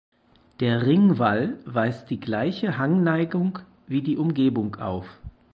Der Ringwall weist die gleiche Hangneigung wie die Umgebung auf.